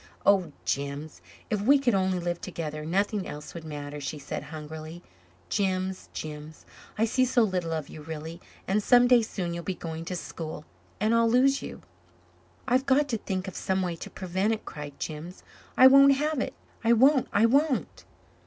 "Oh, Jims, if we could only live together nothing else would matter," she said hungrily. "Jims Jims I see so little of you really and some day soon you'll be going to school and I'll lose you." "I've got to think of some way to prevent it," cried Jims. "I won't have it. I won't I won't."